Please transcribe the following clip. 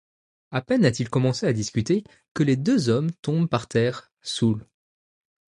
À peine a-t-il commencé à discuter que les deux hommes tombent par terre, saouls.